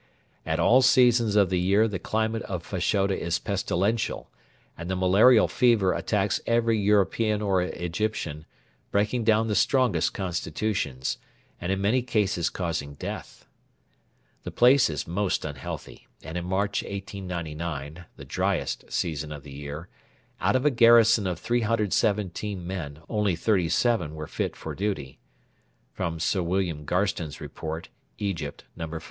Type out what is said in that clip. At all seasons of the year the climate of Fashoda is pestilential, and the malarial fever attacks every European or Egyptian, breaking down the strongest constitutions, and in many cases causing death. [The place is most unhealthy, and in March 1899 (the driest season of the year) out of a garrison of 317 men only 37 were fit for duty. Sir William Garstin's Report: EGYPT, No.